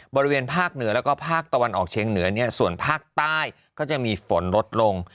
บริเวณภาคเหนือแล้วก็ภาคตะวันออกเชียงเหนือเนี่ยส่วนภาคใต้ก็จะมีฝนลดลง